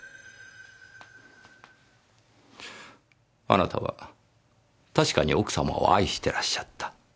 あなたは確かに奥様を愛してらっしゃった。